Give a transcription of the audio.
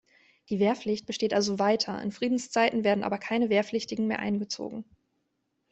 Die Wehrpflicht besteht also weiter, in Friedenszeiten werden aber keine Wehrpflichtigen mehr eingezogen.